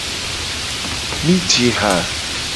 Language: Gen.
Mi ji ha.